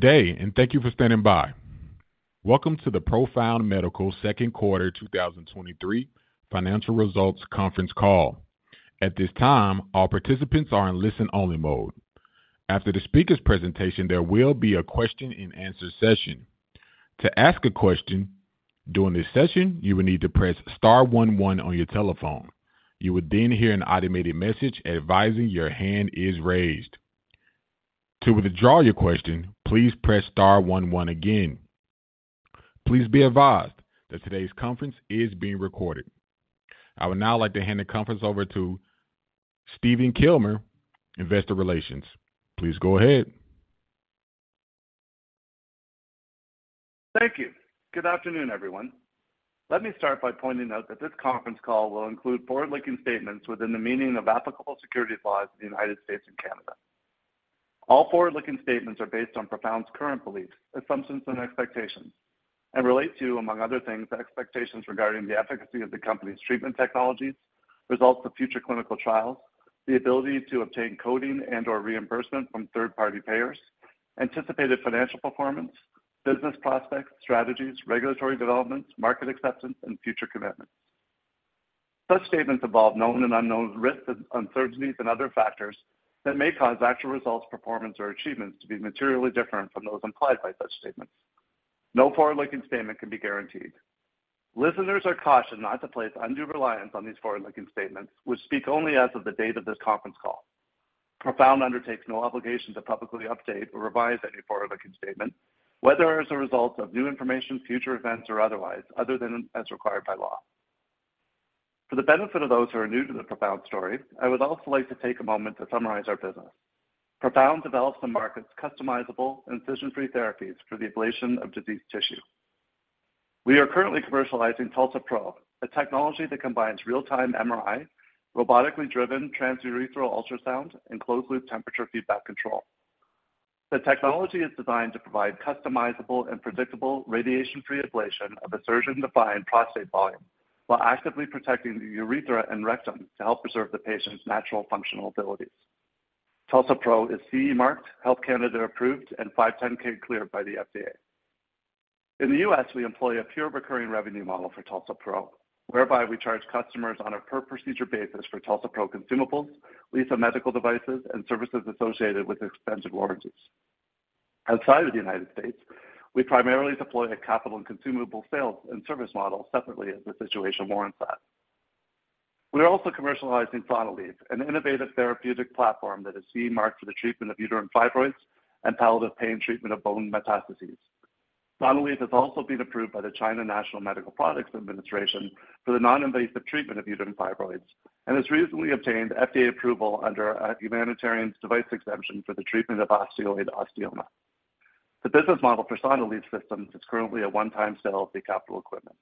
Good day. Thank you for standing by. Welcome to the Profound Medical Second Quarter 2023 Financial Results Conference Call. At this time, all participants are in listen-only mode. After the speaker's presentation, there will be a question-and-answer session. To ask a question during this session, you will need to press star one one on your telephone. You will hear an automated message advising your hand is raised. To withdraw your question, please press star one one again. Please be advised that today's conference is being recorded. I would now like to hand the conference over to Stephen Kilmer, Investor Relations. Please go ahead. Thank you. Good afternoon, everyone. Let me start by pointing out that this conference call will include forward-looking statements within the meaning of applicable security laws of the U.S. and Canada. All forward-looking statements are based on Profound's current beliefs, assumptions, and expectations, relate to, among other things, expectations regarding the efficacy of the company's treatment technologies, results of future clinical trials, the ability to obtain coding and/or reimbursement from third-party payers, anticipated financial performance, business prospects, strategies, regulatory developments, market acceptance, and future commitments. Such statements involve known and unknown risks, uncertainties, and other factors that may cause actual results, performance, or achievements to be materially different from those implied by such statements. No forward-looking statement can be guaranteed. Listeners are cautioned not to place undue reliance on these forward-looking statements, which speak only as of the date of this conference call. Profound undertakes no obligation to publicly update or revise any forward-looking statement, whether as a result of new information, future events, or otherwise, other than as required by law. For the benefit of those who are new to the Profound story, I would also like to take a moment to summarize our business. Profound develops and markets customizable, incision-free therapies for the ablation of diseased tissue. We are currently commercializing TULSA-PRO, a technology that combines real-time MRI, robotically driven transurethral ultrasound, and closed-loop temperature feedback control. The technology is designed to provide customizable and predictable radiation-free ablation of a surgeon-defined prostate volume, while actively protecting the urethra and rectum to help preserve the patient's natural functional abilities. TULSA-PRO is CE marked, Health Canada approved, and 510(k) cleared by the FDA. In the U.S., we employ a pure recurring revenue model for TULSA-PRO, whereby we charge customers on a per-procedure basis for TULSA-PRO consumables, lease of medical devices, and services associated with extended warranties. Outside of the United States, we primarily deploy a capital and consumable sales and service model separately as the situation warrants that. We are also commercializing Sonalleve, an innovative therapeutic platform that is CE marked for the treatment of uterine fibroids and palliative pain treatment of bone metastases. Sonalleve has also been approved by the National Medical Products Administration for the non-invasive treatment of uterine fibroids. Has recently obtained FDA approval under a Humanitarian Device Exemption for the treatment of osteoid osteoma. The business model for Sonalleve systems is currently a one-time sale of the capital equipment.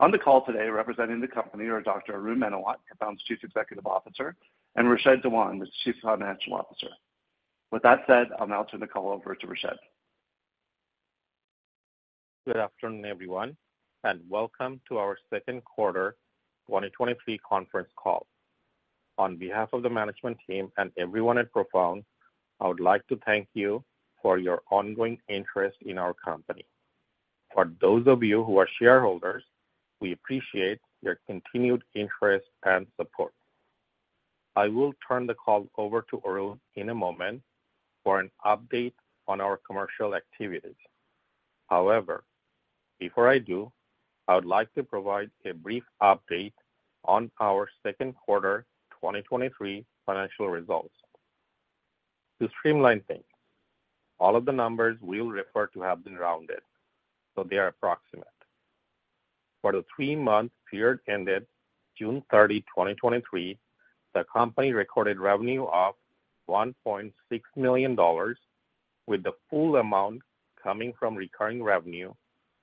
On the call today, representing the company are Dr. Arun Menawat, Profound's Chief Executive Officer, and Rashed Dewan, the Chief Financial Officer. With that said, I'll now turn the call over to Rashed. Good afternoon, everyone, welcome to our second quarter 2023 conference call. On behalf of the management team and everyone at Profound, I would like to thank you for your ongoing interest in our company. For those of you who are shareholders, we appreciate your continued interest and support. I will turn the call over to Arun in a moment for an update on our commercial activities. However, before I do, I would like to provide a brief update on our second quarter 2023 financial results. To streamline things, all of the numbers we'll refer to have been rounded, so they are approximate. For the three-month period ended June 30, 2023, the company recorded revenue of $1.6 million, with the full amount coming from recurring revenue,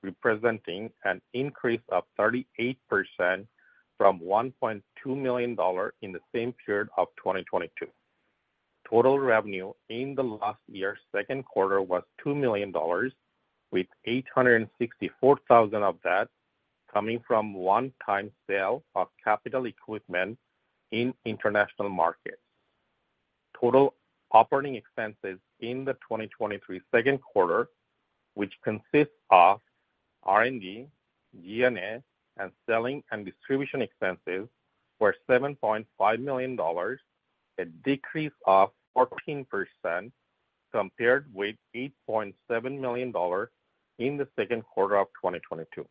representing an increase of 38% from $1.2 million in the same period of 2022. Total revenue in the last year's second quarter was $2 million, with $864,000 of that coming from one-time sale of capital equipment in international markets. Total operating expenses in the 2023 second quarter, which consists of R&D, G&A, and selling and distribution expenses, were $7.5 million, a decrease of 14% compared with $8.7 million in the second quarter of 2022.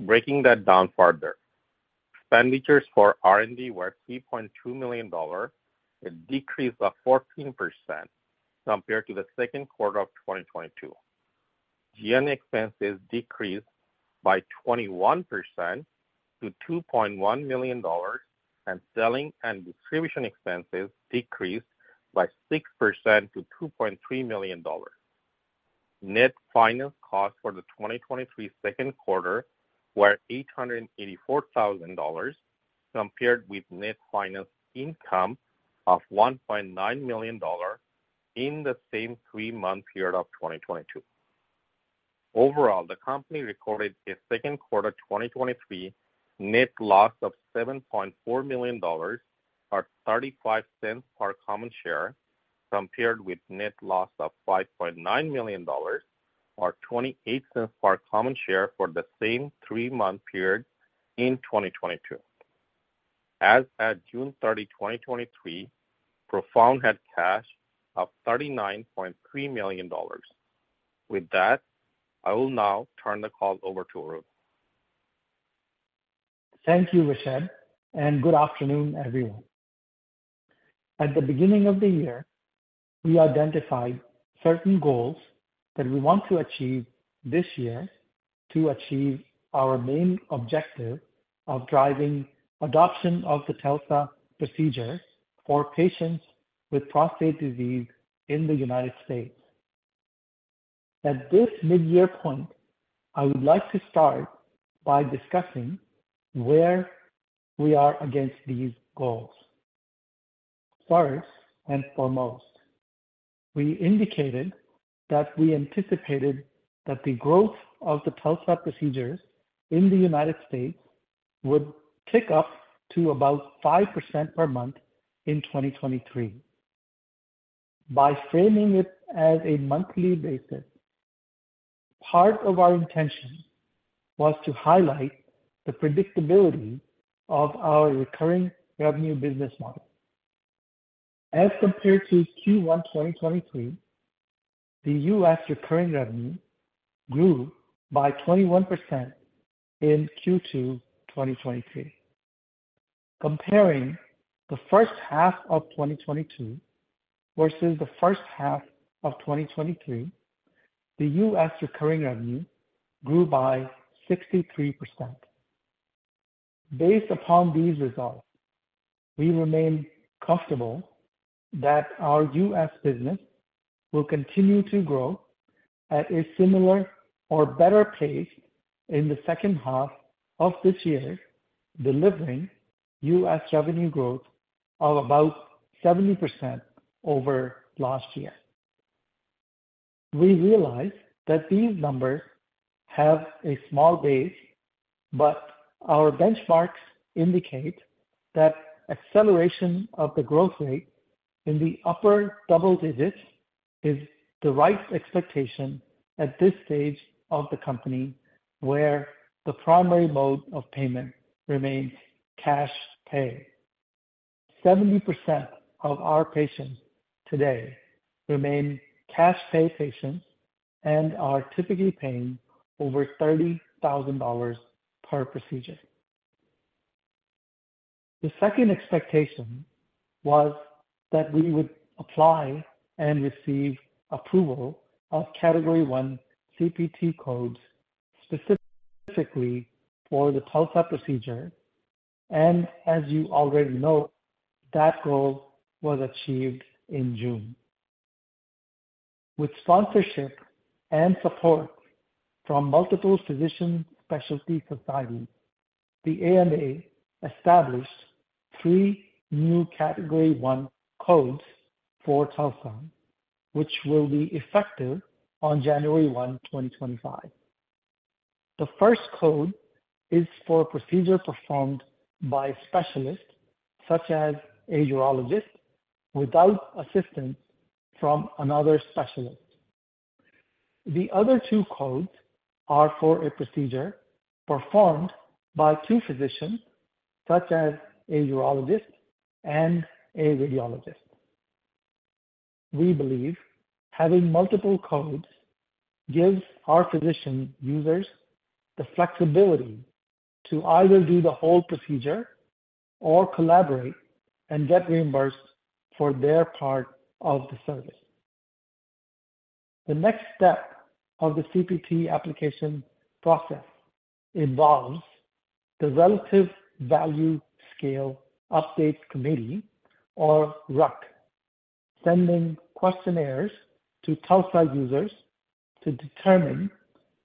Breaking that down further, expenditures for R&D were $3.2 million, a decrease of 14% compared to the second quarter of 2022. G&A expenses decreased by 21% to $2.1 million, and selling and distribution expenses decreased by 6% to $2.3 million. Net finance costs for the 2023 second quarter were $884,000, compared with net finance income of $1.9 million in the same three-month period of 2022. Overall, the company recorded a second quarter 2023 net loss of $7.4 million, or $0.35 per common share, compared with net loss of $5.9 million, or $0.28 per common share for the same three-month period in 2022. As at June 30, 2023, Profound had cash of $39.3 million. With that, I will now turn the call over to Arun. Thank you, Rashed. Good afternoon, everyone. At the beginning of the year, we identified certain goals that we want to achieve this year to achieve our main objective of driving adoption of the TULSA procedure for patients with prostate disease in the United States. At this midyear point, I would like to start by discussing where we are against these goals. First and foremost, we indicated that we anticipated that the growth of the TULSA procedures in the United States would pick up to about 5% per month in 2023. By framing it as a monthly basis, part of our intention was to highlight the predictability of our recurring revenue business model. As compared to Q1 2023, the U.S. recurring revenue grew by 21% in Q2 2023. Comparing the first half of 2022 versus the first half of 2023, the U.S. recurring revenue grew by 63%. Based upon these results, we remain comfortable that our U.S. business will continue to grow at a similar or better pace in the second half of this year, delivering U.S. revenue growth of about 70% over last year. We realize that these numbers have a small base, but our benchmarks indicate that acceleration of the growth rate in the upper double digits is the right expectation at this stage of the company, where the primary mode of payment remains cash pay. 70% of our patients today remain cash pay patients and are typically paying over $30,000 per procedure. The second expectation was that we would apply and receive approval of category one CPT codes specifically for the TULSA procedure. As you already know, that goal was achieved in June. With sponsorship and support from multiple physician specialty societies, the AMA established three new category one codes for TULSA, which will be effective on January 1, 2025. The first code is for procedure performed by specialists, such as a urologist, without assistance from another specialist. The other two codes are for a procedure performed by two physicians, such as a urologist and a radiologist. We believe having multiple codes gives our physician users the flexibility to either do the whole procedure or collaborate and get reimbursed for their part of the service. The next step of the CPT application process involves the Relative Value Scale Update Committee, or RUC, sending questionnaires to TULSA users to determine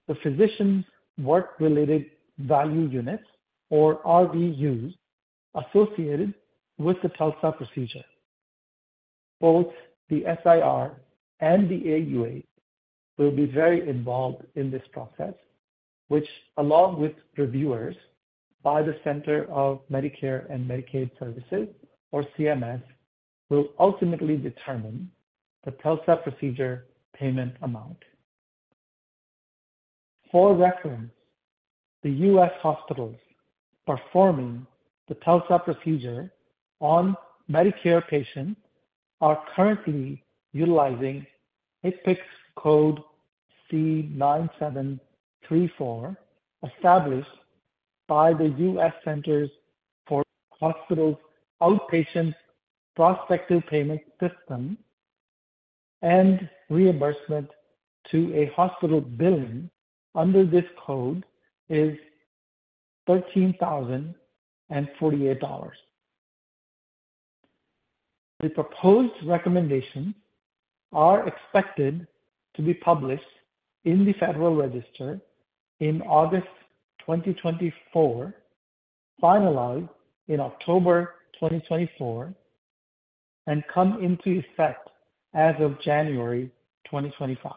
the physician's work-related value units, or RVUs, associated with the TULSA procedure. Both the SIR and the AUA will be very involved in this process, which, along with reviewers by the Centers for Medicare & Medicaid Services, or CMS, will ultimately determine the TULSA procedure payment amount. For reference, the U.S. hospitals performing the TULSA procedure on Medicare patients are currently utilizing HCPCS code C9734, established by the U.S. Centers for Hospitals Outpatient Prospective Payment System, and reimbursement to a hospital billing under this code is $13,048. The proposed recommendations are expected to be published in the Federal Register in August 2024, finalized in October 2024 and come into effect as of January 2025.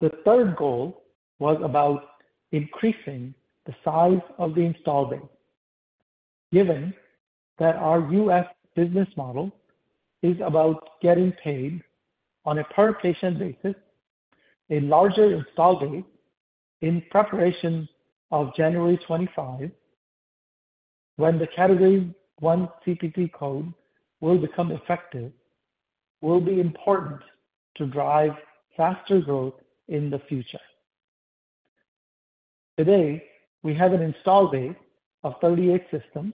The third goal was about increasing the size of the installed base. Given that our U.S. business model is about getting paid on a per patient basis, a larger installed base in preparation of January 25, when the Category 1 CPT code will become effective, will be important to drive faster growth in the future. Today, we have an installed base of 38 systems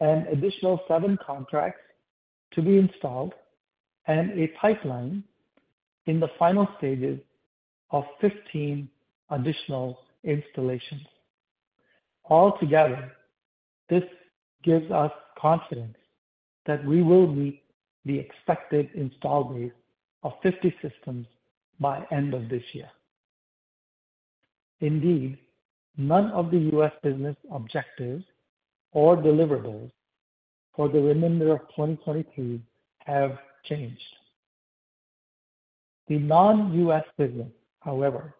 and additional seven contracts to be installed and a pipeline in the final stages of 15 additional installations. Altogether, this gives us confidence that we will meet the expected installed base of 50 systems by end of this year. Indeed, none of the U.S. business objectives or deliverables for the remainder of 2023 have changed. The non-U.S. business, however,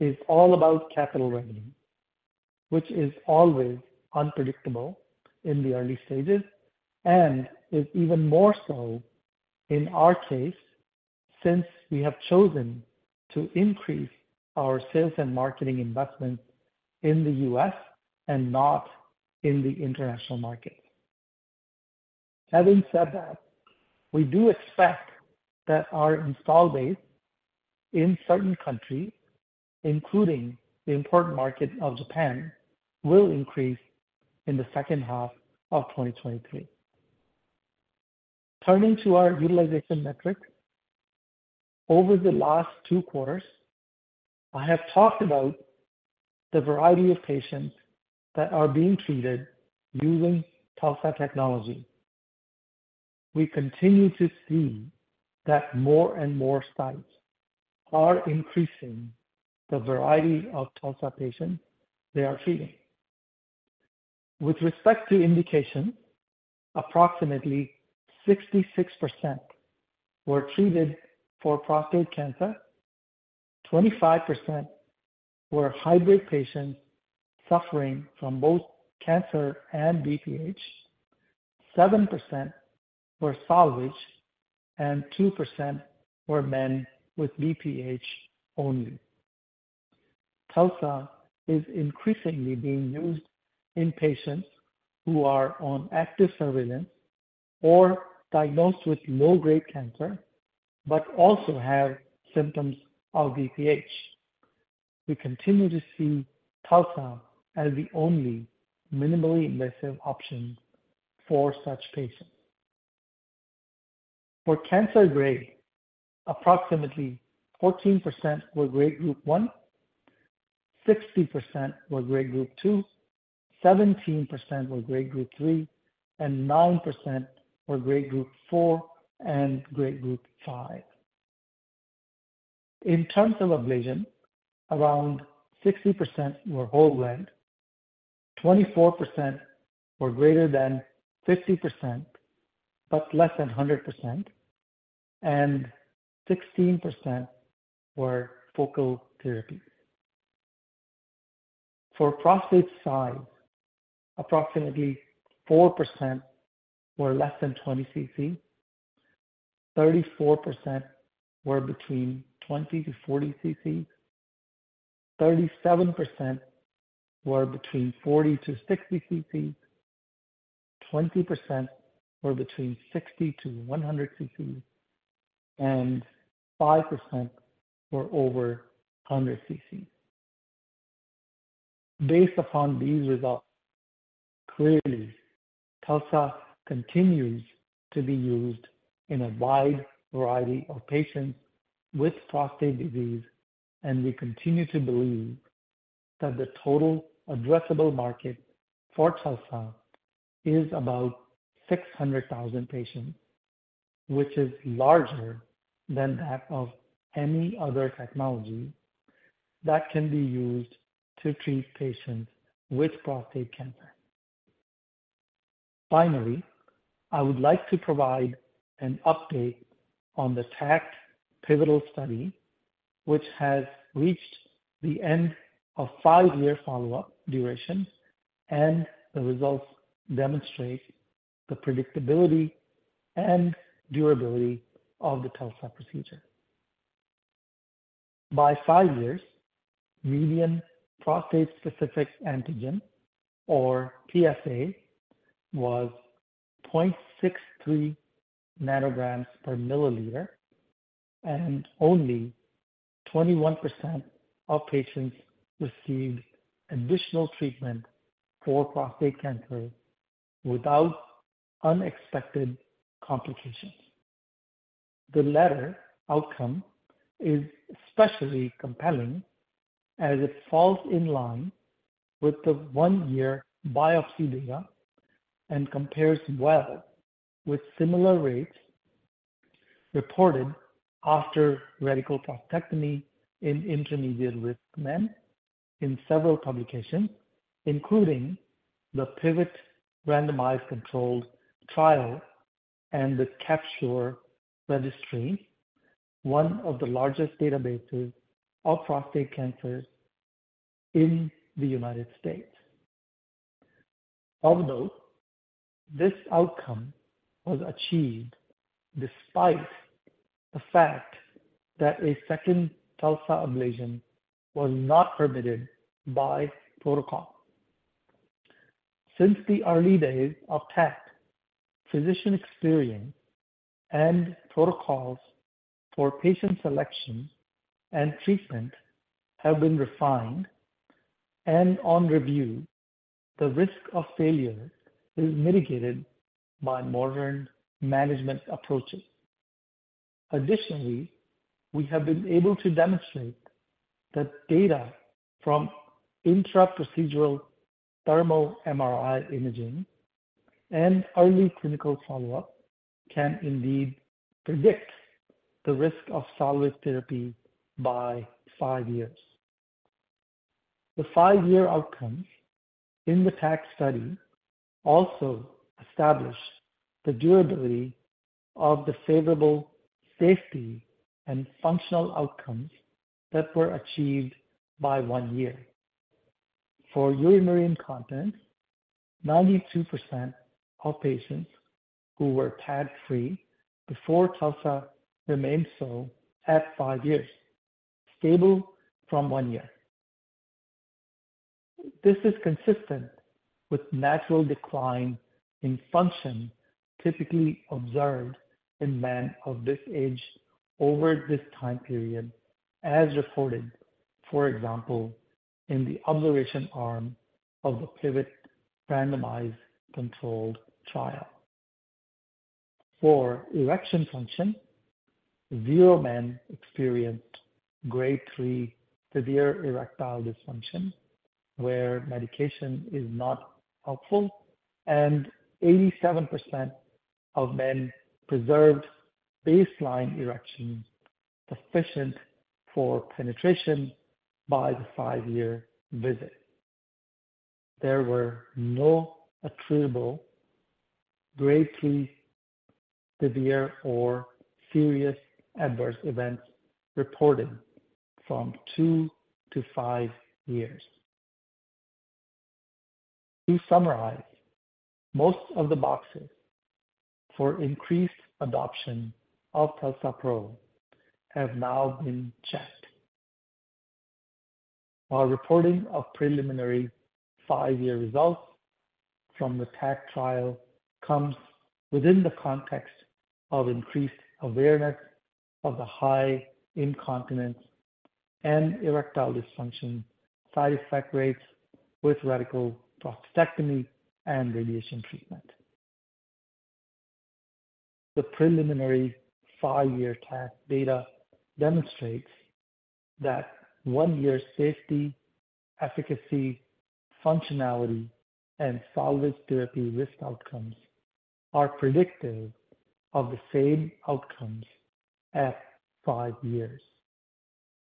is all about capital revenue, which is always unpredictable in the early stages, and is even more so in our case, since we have chosen to increase our sales and marketing investments in the U.S. and not in the international market. Having said that, we do expect that our installed base in certain countries, including the important market of Japan, will increase in the second half of 2023. Turning to our utilization metrics. Over the last two quarters, I have talked about the variety of patients that are being treated using TULSA technology. We continue to see that more and more sites are increasing the variety of TULSA patients they are treating. With respect to indication, approximately 66% were treated for prostate cancer, 25% were high-grade patients suffering from both cancer and BPH, 7% were salvage, and 2% were men with BPH only. TULSA is increasingly being used in patients who are on active surveillance or diagnosed with low-grade cancer, but also have symptoms of BPH. We continue to see TULSA as the only minimally invasive option for such patients. For cancer grade, approximately 14% were grade group one, 60% were grade group two, 17% were grade group three, and 9% were grade group four and grade group five. In terms of ablation, around 60% were whole gland, 24% were greater than 50%, but less than 100%, and 16% were focal therapy. For prostate size, approximately 4% were less than 20 CC, 34% were between 20-40 CC, 37% were between 40-60 CC, 20% were between 60-100 CC, 5% were over 100 CC. Based upon these results, clearly, TULSA continues to be used in a wide variety of patients with prostate disease, and we continue to believe that the total addressable market for TULSA is about 600,000 patients, which is larger than that of any other technology that can be used to treat patients with prostate cancer. Finally, I would like to provide an update on the TACT pivotal study, which has reached the end of five-year follow-up duration, and the results demonstrate the predictability and durability of the TULSA procedure. By five years, median prostate-specific antigen or PSA was 0.63 nanograms per milliliter, and only 21% of patients received additional treatment for prostate cancer without unexpected complications. The latter outcome is especially compelling as it falls in line with the one-year biopsy data and compares well with similar rates reported after radical prostatectomy in intermediate-risk men in several publications, including the PIVOT randomized controlled trial and the CaPSURE registry, one of the largest databases of prostate cancers in the United States. Although this outcome was achieved despite the fact that a second TULSA ablation was not permitted by protocol. Since the early days of TACT, physician experience and protocols for patient selection and treatment have been refined, and on review, the risk of failure is mitigated by modern management approaches. Additionally, we have been able to demonstrate that data from intra-procedural thermal MRI imaging and early clinical follow-up can indeed predict the risk of salvage therapy by five years. The five-year outcomes in the TACT study also established the durability of the favorable safety and functional outcomes that were achieved by one year. For urinary incontinence, 92% of patients who were pad-free before TULSA remained so at five years, stable from one year. This is consistent with natural decline in function typically observed in men of this age over this time period, as reported, for example, in the observation arm of the PIVOT randomized controlled trial. For erection function, zero men experienced grade three severe erectile dysfunction, where medication is not helpful, and 87% of men preserved baseline erection sufficient for penetration by the five-year visit. There were no attributable grade 3 severe or serious adverse events reported from two-five years. To summarize, most of the boxes for increased adoption of TULSA-PRO have now been checked. Our reporting of preliminary five-year results from the TACT trial comes within the context of increased awareness of the high incontinence and erectile dysfunction side effect rates with radical prostatectomy and radiation treatment. The preliminary five-year TACT data demonstrates that one-year safety, efficacy, functionality, and salvage therapy risk outcomes are predictive of the same outcomes at five years.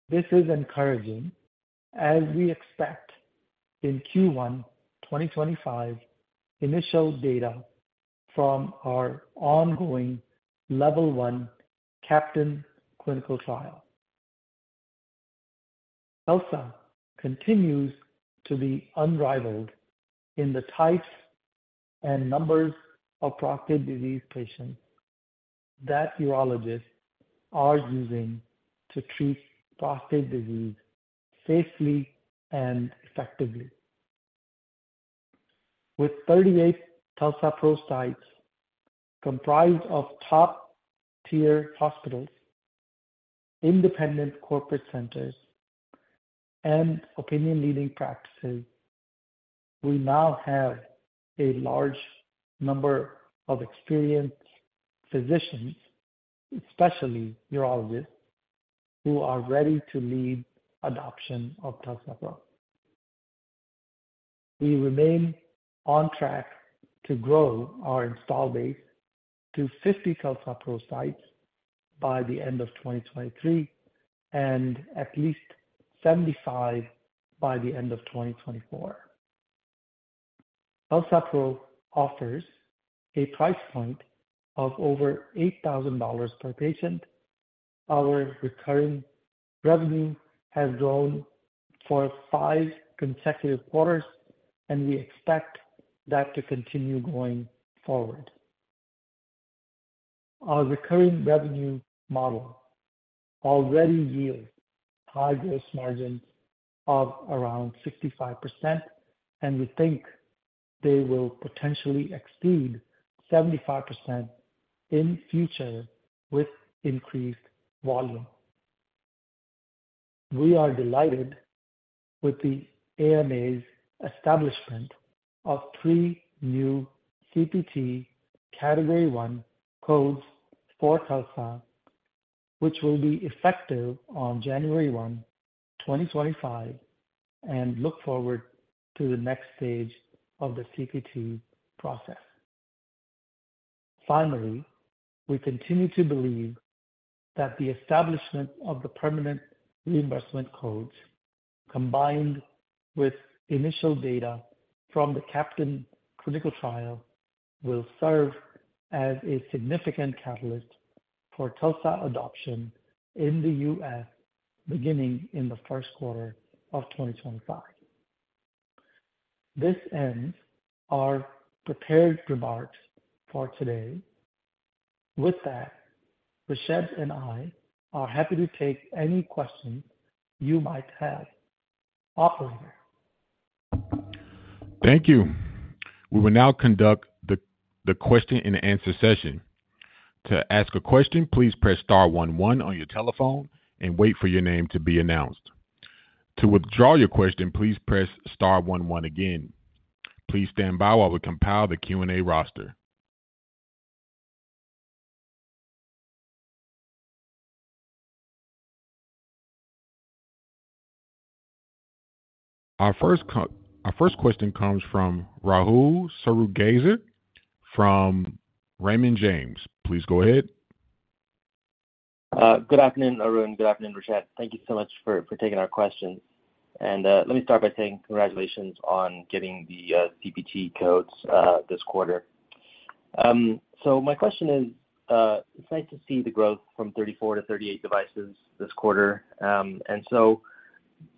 This is encouraging as we expect in Q1 2025, initial data from our ongoing Level 1 CAPTAIN clinical trial. TULSA continues to be unrivaled in the types and numbers of prostate disease patients that urologists are using to treat prostate disease safely and effectively. With 38 TULSA-PRO sites comprised of top-tier hospitals, independent corporate centers, and opinion leading practices, we now have a large number of experienced physicians, especially urologists, who are ready to lead adoption of TULSA-PRO. We remain on track to grow our install base to 50 TULSA-PRO sites by the end of 2023, and at least 75 by the end of 2024. TULSA-PRO offers a price point of over $8,000 per patient. Our recurring revenue has grown for five consecutive quarters, and we expect that to continue going forward. Our recurring revenue model already yields high gross margins of around 65%, and we think they will potentially exceed 75% in future with increased volume. We are delighted with the AMA's establishment of three new CPT category one codes for TULSA. which will be effective on January 1, 2025, and look forward to the next stage of the CPT process. Finally, we continue to believe that the establishment of the permanent reimbursement codes, combined with initial data from the CAPTAIN clinical trial, will serve as a significant catalyst for TULSA adoption in the U.S. beginning in the 1st quarter of 2025. This ends our prepared remarks for today. With that, Rashed and I are happy to take any questions you might have. Operator? Thank you. We will now conduct the, the question and answer session. To ask a question, please press star one one on your telephone and wait for your name to be announced. To withdraw your question, please press star one one again. Please stand by while we compile the Q&A roster. Our first question comes from Rahul Sarugaser from Raymond James. Please go ahead. Good afternoon, Arun. Good afternoon, Rashed. Thank you so much for, for taking our questions. Let me start by saying congratulations on getting the CPT codes this quarter. My question is, it's nice to see the growth from 34-38 devices this quarter. So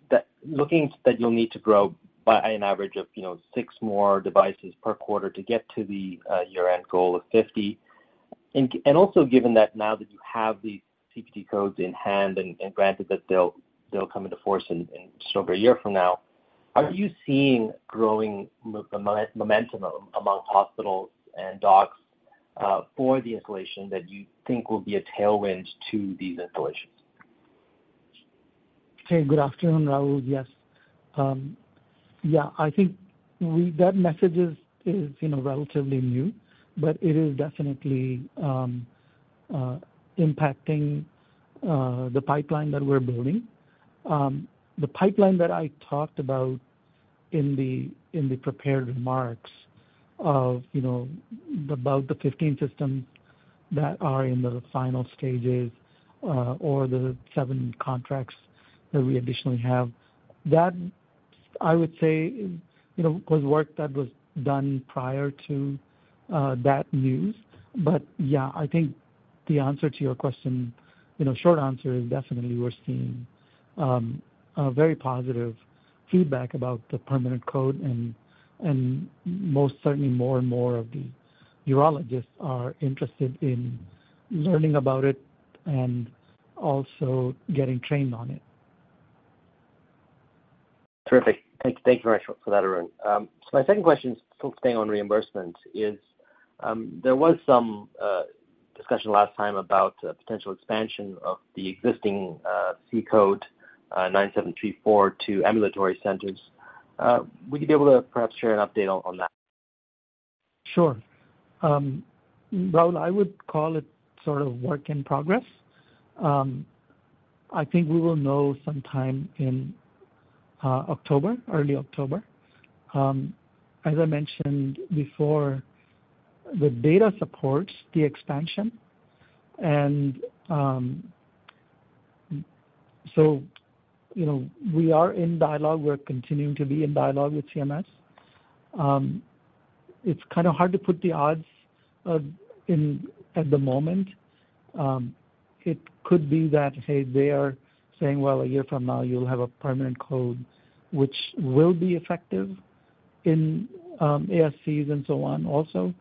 the, Looking that you'll need to grow by an average of, you know, six more devices per quarter to get to the year-end goal of 50. Also given that now that you have these CPT codes in hand, and granted that they'll, they'll come into force in just over one year from now, are you seeing growing momentum amongst hospitals and docs for the installation, that you think will be a tailwind to these installations? Hey, good afternoon, Rahul. Yes. Yeah, I think we, that message is, is, you know, relatively new, but it is definitely impacting the pipeline that we're building. The pipeline that I talked about in the, in the prepared remarks of, you know, about the 15 systems that are in the final stages, or the 7 contracts that we additionally have. That, I would say, you know, was work that was done prior to that news. Yeah, I think the answer to your question, you know, short answer is definitely we're seeing a very positive feedback about the permanent code, and most certainly more and more of the urologists are interested in learning about it and also getting trained on it. Terrific. Thank, thank you very much for that, Arun. My second question, still staying on reimbursement, is, there was some, discussion last time about potential expansion of the existing, C code, 9734, to ambulatory centers. Would you be able to perhaps share an update on, on that? Sure. Rahul, I would call it sort of work in progress. I think we will know sometime in October, early October. As I mentioned before, the data supports the expansion, and so, you know, we are in dialogue. We're continuing to be in dialogue with CMS. It's kind of hard to put the odds in at the moment. It could be that, hey, they are saying, Well, a year from now, you'll have a permanent code, which will be effective in ASCs and so on also.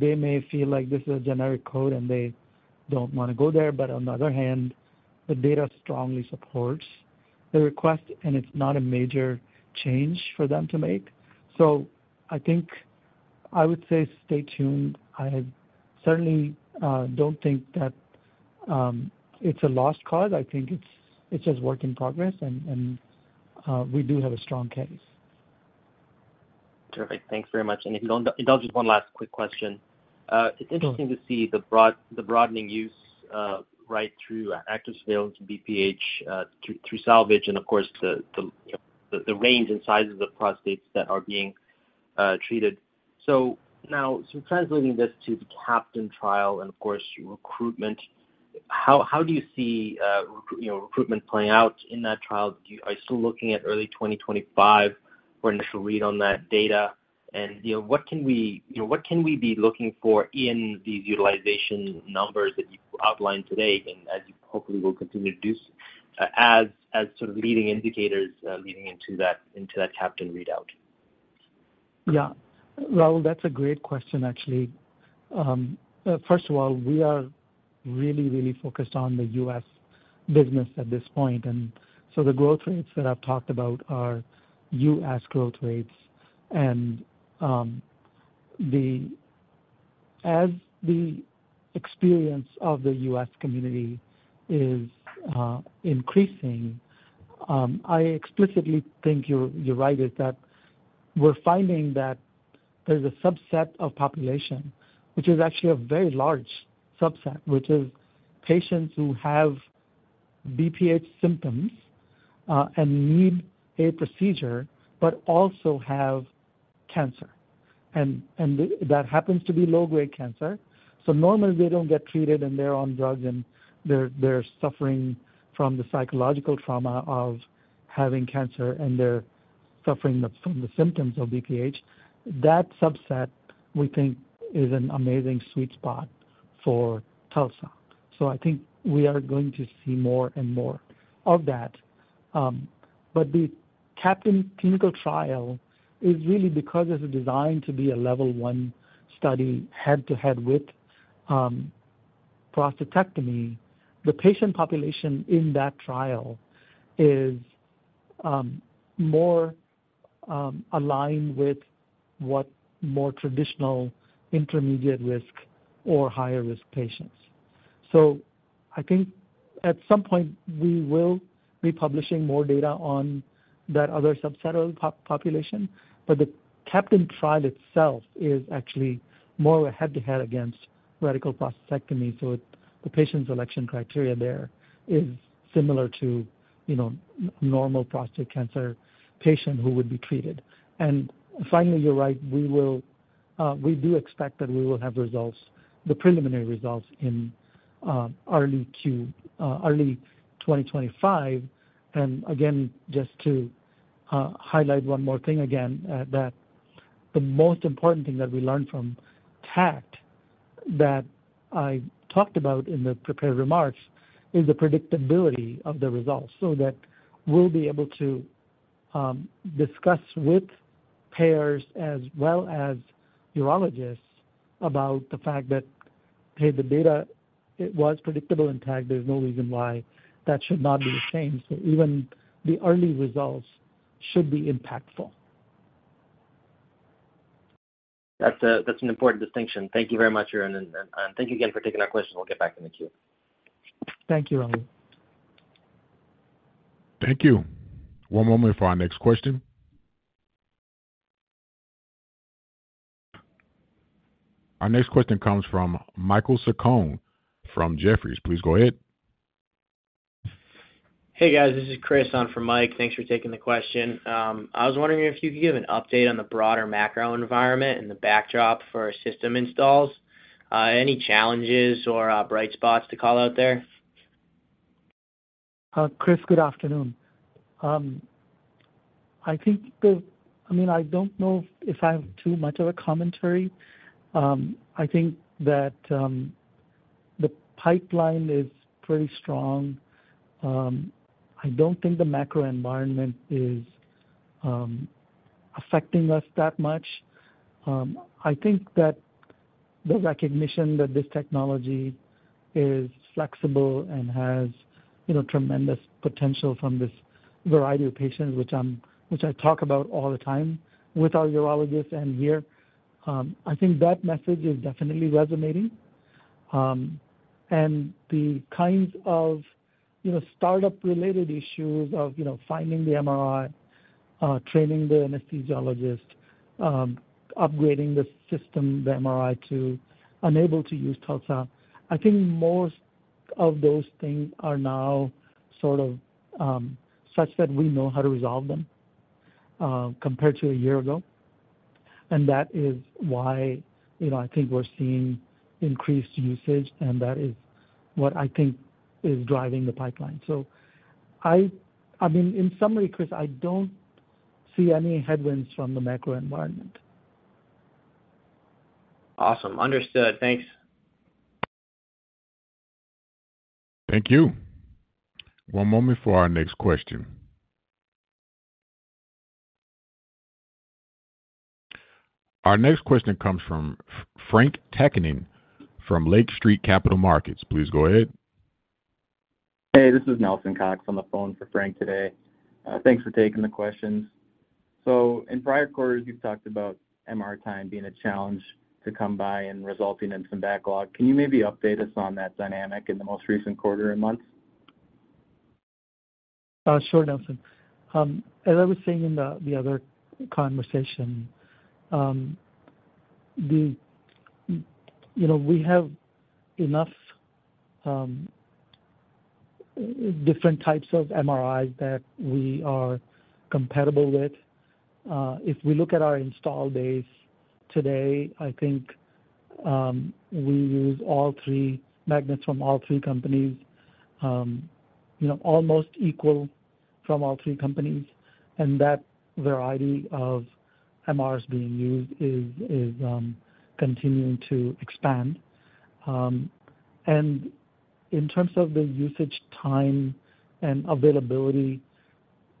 They may feel like this is a generic code, and they don't want to go there. On the other hand, the data strongly supports the request, and it's not a major change for them to make. I think I would say stay tuned. I certainly don't think that it's a lost cause. I think it's, it's just work in progress, and, and, we do have a strong case. Terrific. Thanks very much. If you don't, if you don't, just one last quick question. It's interesting to see the broad, the broadening use, right through active surveillance, BPH, through, through salvage and, of course, the, the, the range and sizes of prostates that are being treated. Now, so translating this to the CAPTAIN trial and of course, your recruitment, how, how do you see recruit, you know, recruitment playing out in that trial? Do you, Are you still looking at early 2025 for an initial read on that data? You know, what can we, you know, what can we be looking for in these utilization numbers that you outlined today, and as you hopefully will continue to do so, as, as sort of leading indicators, leading into that, into that CAPTAIN readout? Yeah. Rahul, that's a great question, actually. First of all, we are really, really focused on the U.S. business at this point, so the growth rates that I've talked about are U.S. growth rates. As the experience of the U.S. community is increasing, I explicitly think you're, you're right, is that we're finding that there's a subset of population which is actually a very large subset, which is patients who have BPH symptoms and need a procedure, but also have cancer. And that happens to be low-grade cancer. Normally they don't get treated, and they're on drugs, and they're, they're suffering from the psychological trauma of having cancer, and they're suffering from the symptoms of BPH. That subset, we think, is an amazing sweet spot for TULSA. I think we are going to see more and more of that. The CAPTAIN clinical trial is really because it's designed to be a level one study, head-to-head with prostatectomy. The patient population in that trial is more aligned with what more traditional intermediate risk or higher-risk patients. I think at some point we will be publishing more data on that other subset of population, but the CAPTAIN trial itself is actually more of a head-to-head against radical prostatectomy. The patient's election criteria there is similar to, you know, normal prostate cancer patient who would be treated. Finally, you're right, we will, we do expect that we will have results, the preliminary results in early Q, early 2025. Again, just to highlight 1 more thing again, that the most important thing that we learned from TACT, that I talked about in the prepared remarks, is the predictability of the results. That we'll be able to discuss with payers as well as urologists, about the fact that, hey, the data, it was predictable in TACT. There's no reason why that should not be the same. Even the early results should be impactful. That's a, that's an important distinction. Thank you very much, Arun, and, and thank you again for taking our question. We'll get back in the queue. Thank you, Rahul. Thank you. One moment for our next question. Our next question comes from Michael Sarcone from Jefferies. Please go ahead. Hey, guys, this is Chris on from Mike. Thanks for taking the question. I was wondering if you could give an update on the broader macro environment and the backdrop for our system installs. Any challenges or bright spots to call out there? Chris, good afternoon. I think the, I mean, I don't know if I have too much of a commentary. I think that the pipeline is pretty strong. I don't think the macro environment is affecting us that much. I think that the recognition that this technology is flexible and has, you know, tremendous potential from this variety of patients, which I talk about all the time with our urologists and here, I think that message is definitely resonating. The kinds of, you know, startup-related issues of, you know, finding the MRI, training the anesthesiologist, upgrading the system, the MRI, to unable to use TULSA. I think most of those things are now sort of such that we know how to resolve them compared to a year ago. That is why, you know, I think we're seeing increased usage, and that is what I think is driving the pipeline. I, I mean, in summary, Chris, I don't see any headwinds from the macro environment. Awesome. Understood. Thanks. Thank you. One moment for our next question. Our next question comes from Frank Takkinen from Lake Street Capital Markets. Please go ahead. Hey, this is Nelson Cox on the phone for Frank today. Thanks for taking the questions. In prior quarters, you've talked about MR time being a challenge to come by and resulting in some backlog. Can you maybe update us on that dynamic in the most recent quarter and months? Sure, Nelson. As I was saying in the other conversation, the, you know, we have enough different types of MRIs that we are compatible with. If we look at our install base today, I think we use all three magnets from all three companies, you know, almost equal from all three companies. And that variety of MRs being used is, is continuing to expand. And in terms of the usage time and availability,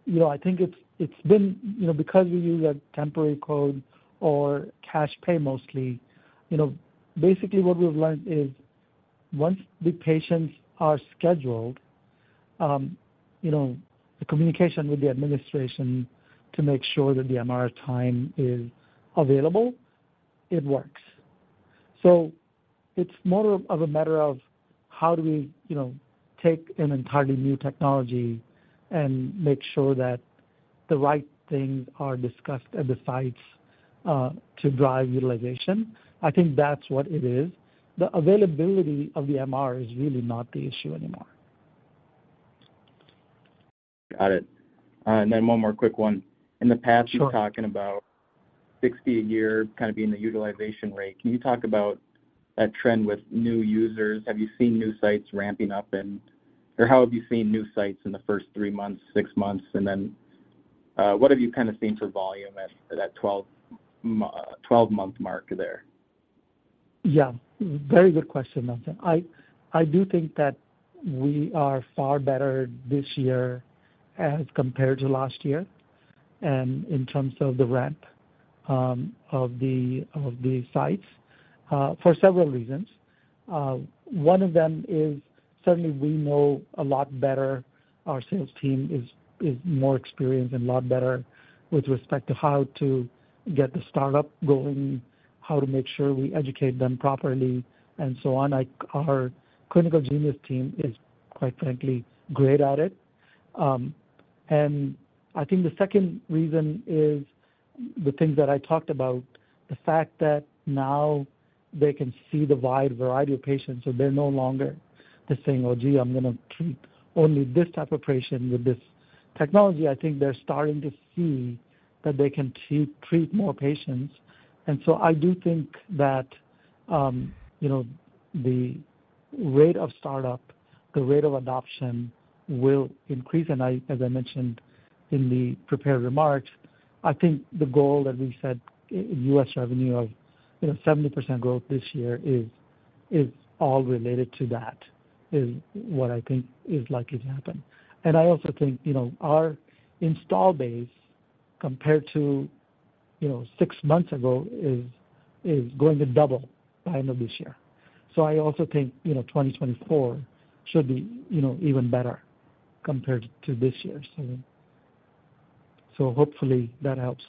you know, I think it's, it's been, you know, because we use a temporary code or cash pay mostly, you know, basically what we've learned is once the patients are scheduled, you know, the communication with the administration to make sure that the MR time is available, it works. It's more of, of a matter of how do we, you know, take an entirely new technology and make sure that the right things are discussed at the sites to drive utilization. I think that's what it is. The availability of the MR is really not the issue anymore. Got it. Then one more quick one. Sure. In the past, you were talking about 60 a year kind of being the utilization rate. Can you talk about that trend with new users? Have you seen new sites ramping up and, or how have you seen new sites in the first three months, six months? Then, what have you kind of seen for volume at that 12-month mark there? Yeah, very good question, Nelson. I, I do think that we are far better this year as compared to last year, and in terms of the ramp of the sites for several reasons. One of them is certainly we know a lot better. Our sales team is, is more experienced and a lot better with respect to how to get the startup going, how to make sure we educate them properly, and so on. Our clinical genius team is, quite frankly, great at it. I think the second reason is the things that I talked about, the fact that now they can see the wide variety of patients, so they're no longer just saying: "Oh, gee, I'm gonna treat only this type of patient with this technology." I think they're starting to see that they can treat, treat more patients. I do think that, you know, the rate of startup, the rate of adoption will increase. I as I mentioned in the prepared remarks, I think the goal that we set in U.S. revenue of, you know, 70% growth this year is, is all related to that, is what I think is likely to happen. I also think, you know, our install base, compared to, you know, six months ago, is, is going to double by end of this year. I also think, you know, 2024 should be, you know, even better compared to this year. Hopefully that helps.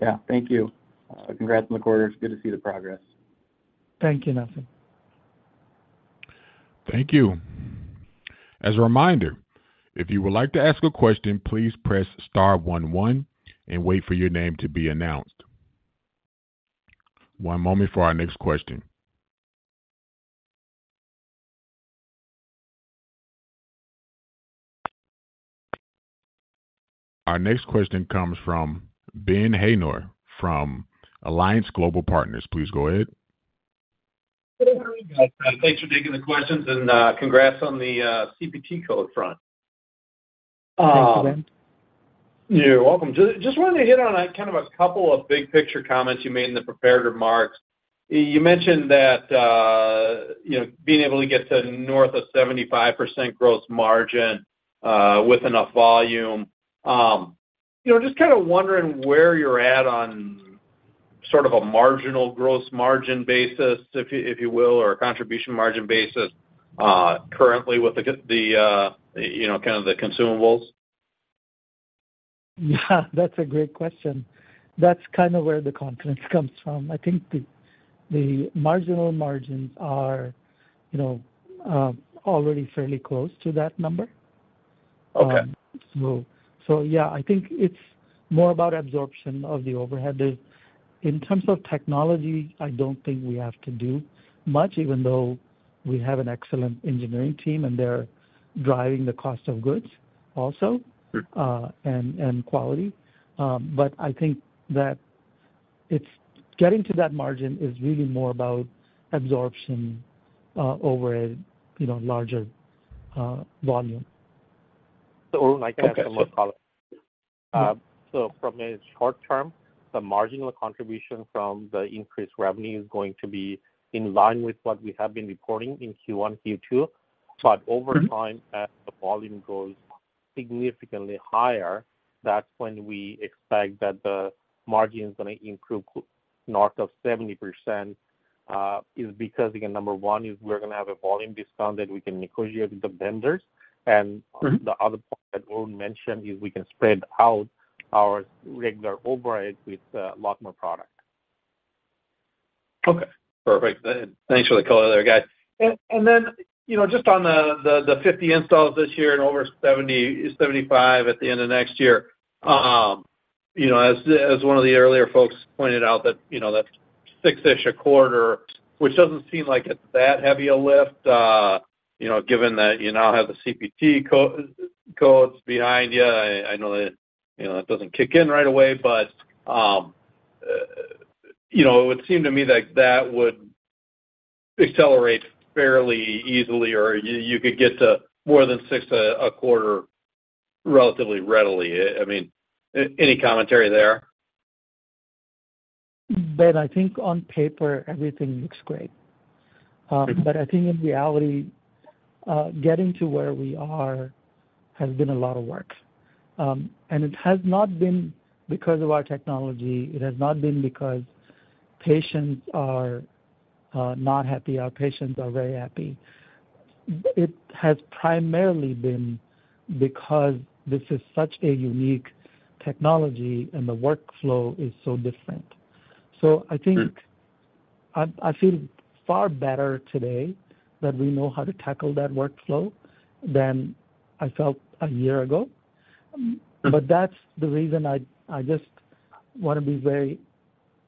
Yeah. Thank you. congrats on the quarter. It's good to see the progress. Thank you, Nelson. Thank you. As a reminder, if you would like to ask a question, please press star one, one, and wait for your name to be announced. One moment for our next question. Our next question comes from Ben Haynor, from Alliance Global Partners. Please go ahead. Thanks for taking the questions, and congrats on the CPT code front. Thank you, Ben. You're welcome. Just wanted to hit on a kind of a couple of big-picture comments you made in the prepared remarks. You mentioned that, you know, being able to get to north of 75% gross margin with enough volume. You know, just kind of wondering where you're at on sort of a marginal gross margin basis, if you, if you will, or a contribution margin basis, currently with the, you know, kind of the consumables? Yeah, that's a great question. That's kind of where the confidence comes from. I think the, the marginal margins are, you know, already fairly close to that number. Okay. Yeah, I think it's more about absorption of the overhead. In terms of technology, I don't think we have to do much, even though we have an excellent engineering team, and they're driving the cost of goods also. Mm. and, and quality. I think that it's. Getting to that margin is really more about absorption, over a, you know, larger, volume. Arun, I can add some more color. so from a short term, the marginal contribution from the increased revenue is going to be in line with what we have been reporting in Q1, Q2. Mm-hmm. Over time, as the volume grows significantly higher, that's when we expect that the margin is going to improve north of 70%. Is because, again, number one, we're going to have a volume discount that we can negotiate with the vendors. Mm-hmm. The other point that Arun mentioned is we can spread out our regular overhead with, a lot more product. Okay, perfect. Thanks for the color there, guys. Then, just on the 50 installs this year and over 70-75 at the end of next year. As one of the earlier folks pointed out, that's six-ish a quarter, which doesn't seem like it's that heavy a lift, given that you now have the CPT codes behind you. I know that it doesn't kick in right away, but it would seem to me like that would accelerate fairly easily, or you could get to more than six a quarter relatively readily. I mean, any commentary there? Ben, I think on paper, everything looks great. Mm-hmm. I think in reality, getting to where we are has been a lot of work. It has not been because of our technology, it has not been because patients are not happy. Our patients are very happy. It has primarily been because this is such a unique technology, and the workflow is so different. I think. Mm. I, I feel far better today that we know how to tackle that workflow than I felt a year ago. Mm. That's the reason I, I just wanna be very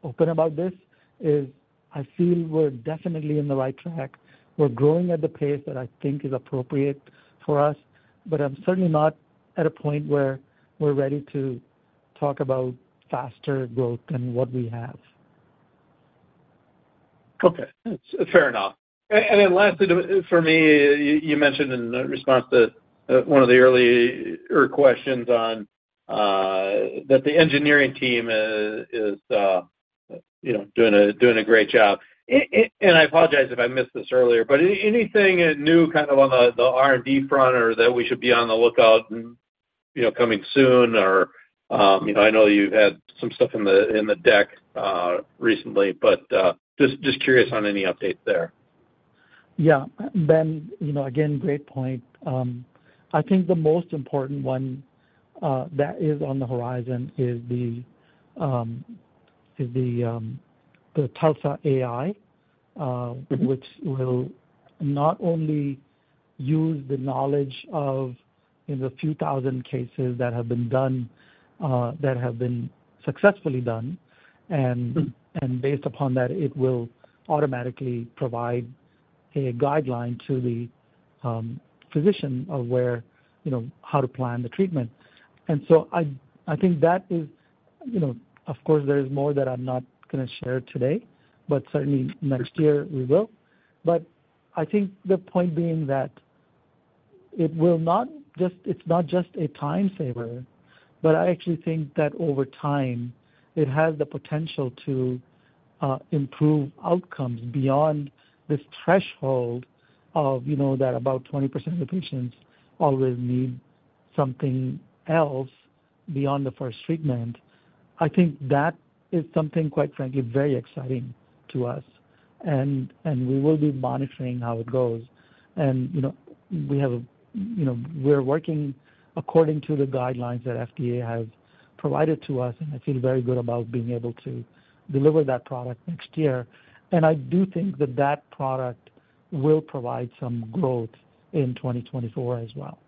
open about this, is I feel we're definitely in the right track. We're growing at the pace that I think is appropriate for us, but I'm certainly not at a point where we're ready to talk about faster growth than what we have. Okay, that's fair enough. Then lastly, to, for me, you, you mentioned in the response to one of the earlier questions on that the engineering team is, you know, doing a, doing a great job. I apologize if I missed this earlier, but anything new kind of on the R&D front or that we should be on the lookout, you know, coming soon? Or, you know, I know you had some stuff in the deck recently, but, just, just curious on any update there? Yeah, Ben, you know, again, great point. I think the most important one that is on the horizon is the is the the TULSA-AI. Mm-hmm Which will not only use the knowledge of in the few thousand cases that have been done, that have been successfully done. Mm Based upon that, it will automatically provide a guideline to the physician of where, you know, how to plan the treatment. I, I think that is, you know, of course, there is more that I'm not gonna share today, but certainly next year, we will. I think the point being that it's not just a time saver, but I actually think that over time, it has the potential to improve outcomes beyond this threshold of, you know, that about 20% of the patients always need something else beyond the first treatment. I think that is something, quite frankly, very exciting to us, and we will be monitoring how it goes. you know, we have, you know, we're working according to the guidelines that FDA has provided to us, and I feel very good about being able to deliver that product next year. I do think that that product will provide some growth in 2024 as well.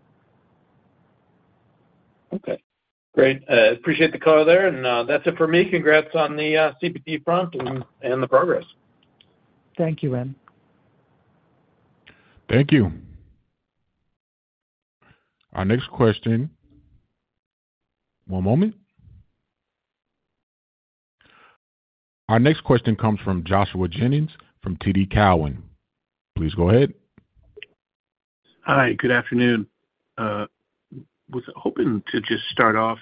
Okay, great. Appreciate the color there, and that's it for me. Congrats on the CPT front and the progress. Thank you, Ben. Thank you. Our next question. One moment. Our next question comes from Joshua Jennings, from TD Cowen. Please go ahead. Hi, good afternoon. Was hoping to just start off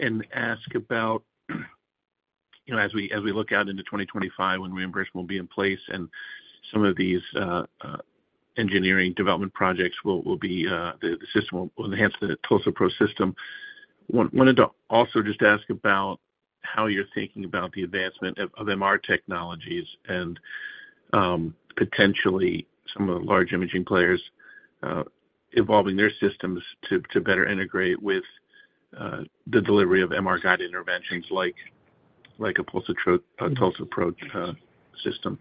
and ask about, you know, as we, as we look out into 2025, when reimbursement will be in place and some of these engineering development projects will, will be, the system will enhance the TULSA-PRO system. Wanted to also just ask about how you're thinking about the advancement of, of MR technologies and, potentially some of the large imaging players evolving their systems to, to better integrate with the delivery of MR-guided interventions like, like a TULSA-PRO system.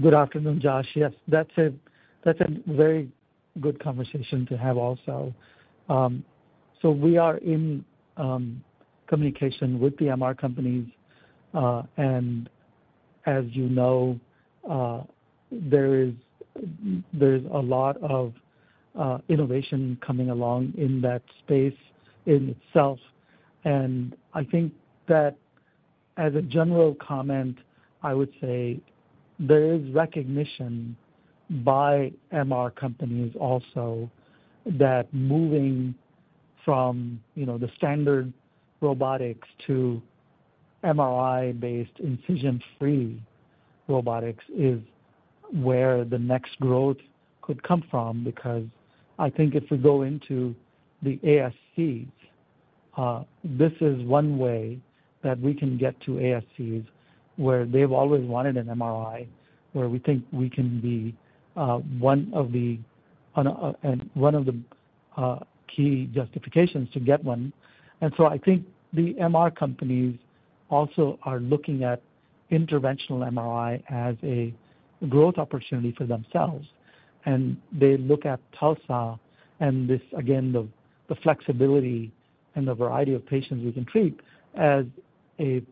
Good afternoon, Josh. Yes, that's a, that's a very good conversation to have also. We are in communication with the MR companies, as you know, there is, there's a lot of innovation coming along in that space in itself. I think that as a general comment, I would say there is recognition by MR companies also, that moving from, you know, the standard robotics to MRI-based, incision-free robotics is where the next growth could come from. Because I think if we go into the ASCs, this is one way that we can get to ASCs, where they've always wanted an MRI, where we think we can be one of the, and one of the, key justifications to get one. I think the MR companies also are looking at interventional MRI as a growth opportunity for themselves. They look at TULSA and this, again, the, the flexibility and the variety of patients we can treat as a,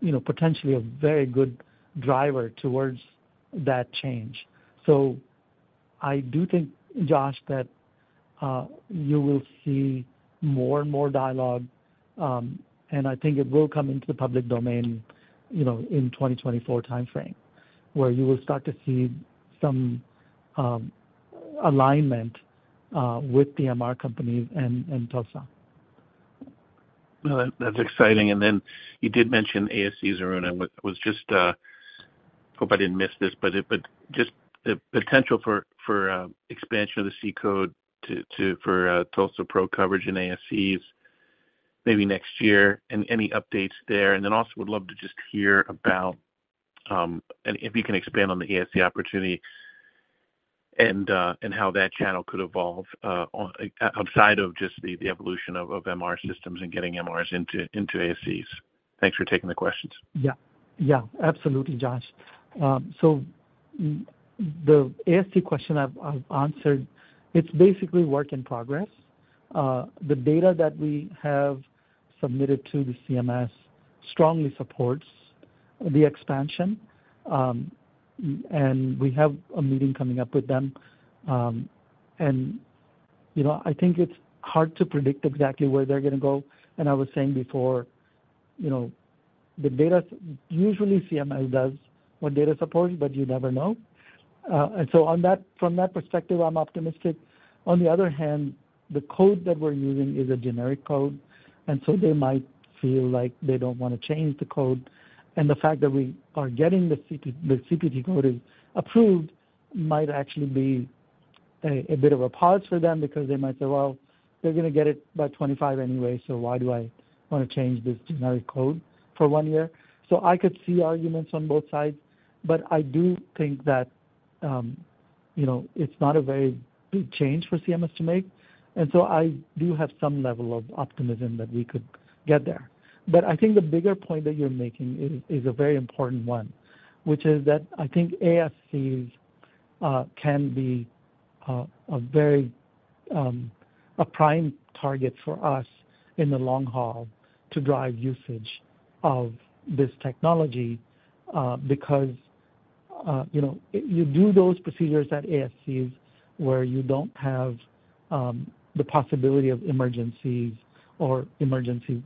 you know, potentially a very good driver towards that change. I do think, Josh, that you will see more and more dialogue, and I think it will come into the public domain, you know, in 2024 timeframe, where you will start to see some alignment with the MR companies and TULSA. Well, that's exciting. You did mention ASC, Arun. I was just, Hope I didn't miss this, but just the potential for expansion of the C code to for TULSA-PRO coverage in ASCs? Maybe next year, any updates there? Also would love to just hear about if you can expand on the ASC opportunity and how that channel could evolve outside of just the, the evolution of, of MR systems and getting MRs into, into ASCs. Thanks for taking the questions. Yeah. Yeah, absolutely, Josh. So the ASC question I've answered, it's basically work in progress. The data that we have submitted to the CMS strongly supports the expansion. We have a meeting coming up with them. You know, I think it's hard to predict exactly where they're gonna go. I was saying before, you know, the data. Usually CMS does what data supports, but you never know. So on that, from that perspective, I'm optimistic. On the other hand, the code that we're using is a generic code, and so they might feel like they don't wanna change the code. The fact that we are getting the CPT coding approved might actually be a bit of a pause for them because they might say, "Well, they're gonna get it by 25 anyway, so why do I wanna change this generic code for one year?" I could see arguments on both sides, but I do think that, you know, it's not a very big change for CMS to make, and so I do have some level of optimism that we could get there. I think the bigger point that you're making is a very important one, which is that I think ASCs can be a very prime target for us in the long haul to drive usage of this technology. Because, you know, you do those procedures at ASCs, where you don't have the possibility of emergencies or emergency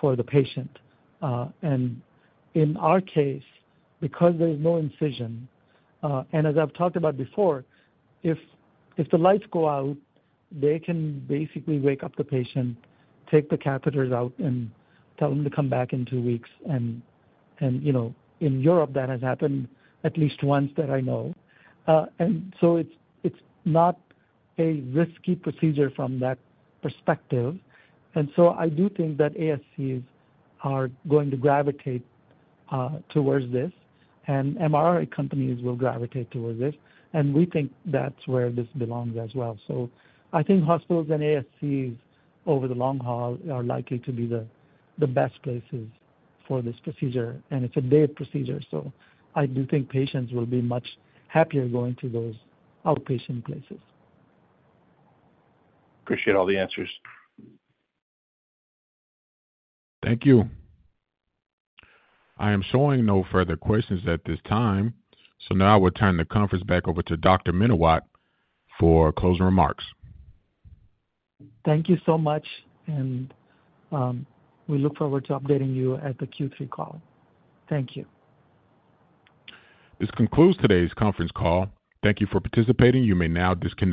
for the patient. And in our case, because there is no incision, and as I've talked about before, if the lights go out, they can basically wake up the patient, take the catheters out, and tell them to come back in two weeks. And, you know, in Europe, that has happened at least once that I know. And so it's not a risky procedure from that perspective. And so I do think that ASCs are going to gravitate towards this, and MRI companies will gravitate towards this, and we think that's where this belongs as well. I think hospitals and ASCs, over the long haul, are likely to be the, the best places for this procedure, and it's a day procedure, so I do think patients will be much happier going to those outpatient places. Appreciate all the answers. Thank you. I am showing no further questions at this time. Now I will turn the conference back over to Dr. Menawat for closing remarks. Thank you so much. We look forward to updating you at the Q3 call. Thank you. This concludes today's conference call. Thank you for participating. You may now disconnect.